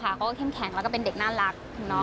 เขาก็เข้มแข็งแล้วก็เป็นเด็กน่ารัก